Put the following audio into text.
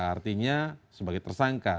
artinya sebagai tersangka